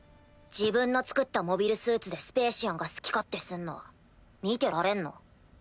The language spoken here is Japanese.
自分の造ったモビルスーツでスペーシアンが好き勝手すんの見てられんの？